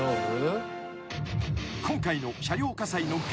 ［今回の］